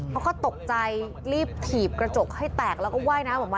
เขาก็ตกใจรีบถีบกระจกให้แตกแล้วก็ว่ายน้ำออกมา